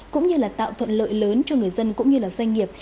cũng như là tạo thuận lợi lớn cho người dân cũng như doanh nghiệp